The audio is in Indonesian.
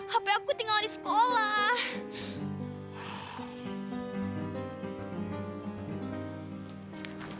hp aku tinggal di sekolah